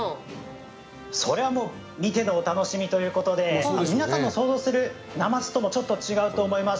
それはもう見てのお楽しみということで皆さんの想像する、なますともちょっと違うと思います。